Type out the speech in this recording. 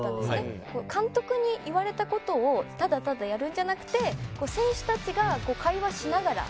監督に言われた事をただただやるんじゃなくて選手たちが会話しながら。